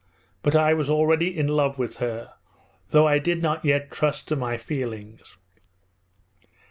But I was already in love with her, though I did not yet trust to my feelings.